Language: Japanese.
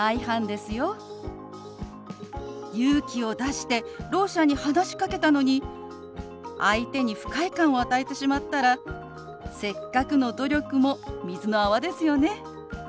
勇気を出してろう者に話しかけたのに相手に不快感を与えてしまったらせっかくの努力も水の泡ですよね。